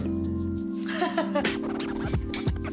ハハハ。